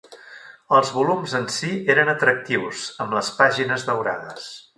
Els volums en si eren atractius, amb les pàgines daurades.